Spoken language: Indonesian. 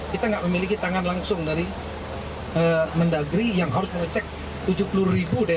kita tidak memiliki tangan langsung dari mendagri yang harus mengecek tujuh puluh ribu